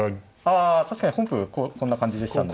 あ確かに本譜こんな感じでしたんで。